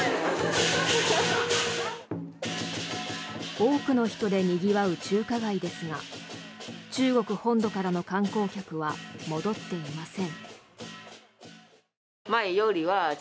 多くの人でにぎわう中華街ですが中国本土からの観光客は戻っていません。